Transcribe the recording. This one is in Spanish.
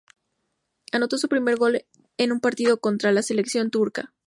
Anotó su primer gol en un partido contra la selección turca.